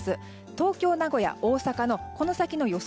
東京、名古屋、大阪のこの先の予想